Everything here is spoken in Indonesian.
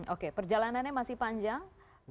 oke perjalanannya masih panjang